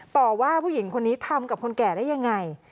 ต่อว่าผู้หญิงคนนี้ทำกับคนแก่ได้ยังไง